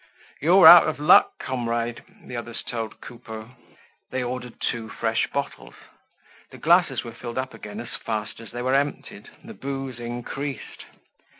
"You're out of luck, comrade," the others told Coupeau. They ordered two fresh bottles. The glasses were filled up again as fast as they were emptied, the booze increased.